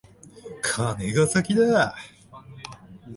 カネが先だ。